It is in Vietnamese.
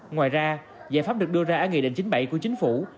ngoài ra giải pháp được đưa ra ở nghị định chín mươi bảy của chính phủ